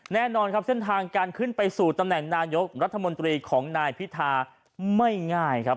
แน่นอนครับเส้นทางการขึ้นไปสู่ตำแหน่งนายกรัฐมนตรีของนายพิธาไม่ง่ายครับ